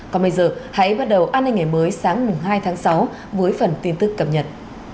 còn bây giờ hãy bắt đầu an ninh ngày mới sáng hai tháng sáu với phần tin tức cập nhật